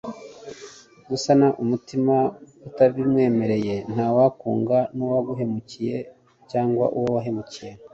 gusana umutima utabimwemereye ; nta wakunga n'uwaguhemukiye cyangwa uwo wahemukiye